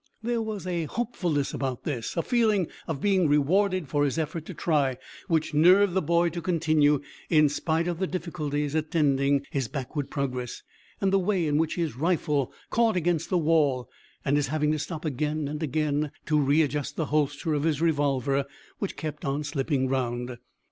There was a hopefulness about this, a feeling of being rewarded for his effort to try, which nerved the boy to continue, in spite of the difficulties attending his backward progress and the way in which his rifle caught against the wall, and his having to stop again and again to readjust the holster of his revolver, which kept on slipping round.